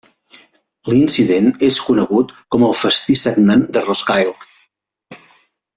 L'incident és conegut com el Festí sagnant de Roskilde.